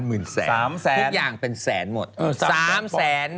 ถึงอย่างเป็นแสนหมด